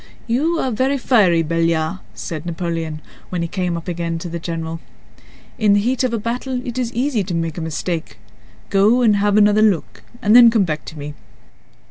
"You are very fiery, Belliard," said Napoleon, when he again came up to the general. "In the heat of a battle it is easy to make a mistake. Go and have another look and then come back to me."